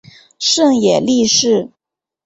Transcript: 胜野莉世。